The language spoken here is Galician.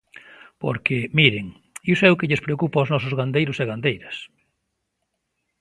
Porque, miren, iso é o que lles preocupa aos nosos gandeiros e gandeiras.